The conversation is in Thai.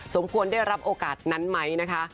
สมควรได้รับโอกาสนั้นไหมนะคะ